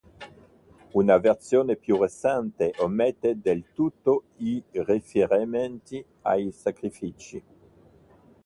Una versione più recente omette del tutto i riferimenti ai sacrifici.